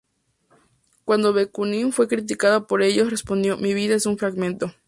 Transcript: Cuando Bakunin fue criticado por ello respondió: ""Mi vida es un fragmento"".